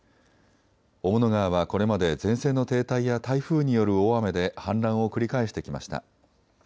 雄物川はこれまで前線の停滞や台風による大雨で氾濫を繰り返してきました。